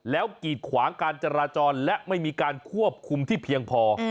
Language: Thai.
แล้วกีดขวางการจราจรและไม่มีการควบคุมที่เพียงพอ